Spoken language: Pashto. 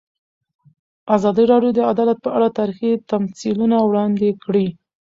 ازادي راډیو د عدالت په اړه تاریخي تمثیلونه وړاندې کړي.